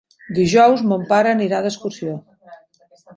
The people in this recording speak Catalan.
Dijous mon pare anirà d'excursió.